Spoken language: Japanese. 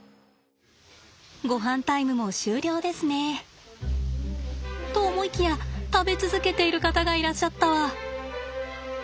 ごはんタイムも終了ですね。と思いきや食べ続けている方がいらっしゃったわ。